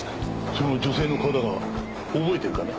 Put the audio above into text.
その女性の顔だが覚えてるかね？